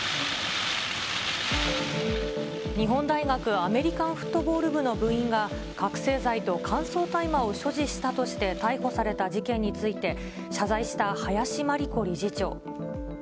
日本大学アメリカンフットボール部の部員が、覚醒剤と乾燥大麻を所持したとして逮捕された事件について、謝罪した林真理子理事長。